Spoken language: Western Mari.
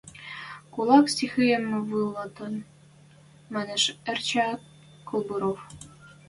— Кулак стихийӹм вуйлатен, — манеш эчеӓт Колбуров.